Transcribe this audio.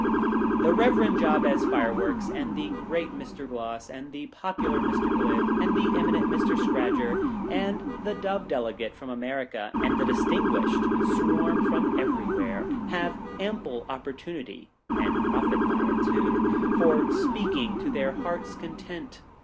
The Reverend Jabez Fireworks, and the great Mr. Gloss, and the popular Mr. Glib, and the eminent Mr. Scradger, and the Dove Delegate from America, and the distinguished swarm from everywhere, have ample oppor tunity (and profit by it, too,) for speaking to their heart's content.